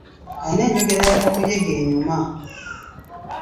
Alina enjogera ya kakuyege enyuma.